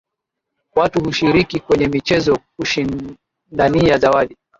Watu hushiriki kwenye michezo kushindania zawadi